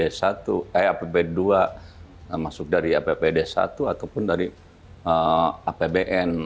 eh apbd dua masuk dari apbd satu ataupun dari apbn